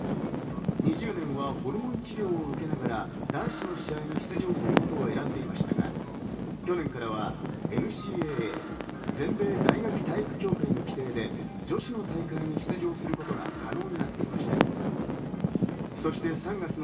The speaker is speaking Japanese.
２０年はホルモン治療を受けながら、男子の試合に出場することを選んでいましたが、去年からはＮＣＡＡ＝全米大学体育協会の規定で女子の大会に出場することが可能になっていました。